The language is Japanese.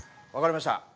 分かりました。